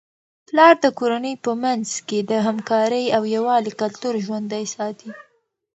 پلار د کورنی په منځ کي د همکارۍ او یووالي کلتور ژوندۍ ساتي.